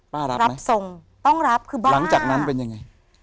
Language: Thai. รับรับทรงต้องรับคือบ้านหลังจากนั้นเป็นยังไง